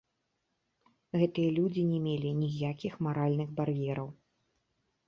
Гэтыя людзі не мелі ніякіх маральных бар'ераў.